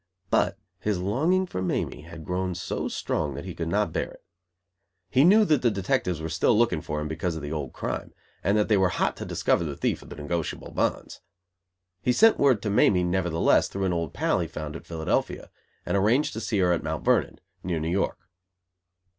But his longing for Mamie had grown so strong that he could not bear it. He knew that the detectives were still looking for him because of the old crime, and that they were hot to discover the thief of the negotiable bonds. He sent word to Mamie, nevertheless, through an old pal he found at Philadelphia, and arranged to see her at Mount Vernon, near New York.